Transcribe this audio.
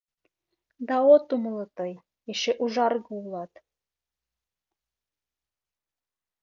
Да от умыло тый, эше ужарге улат.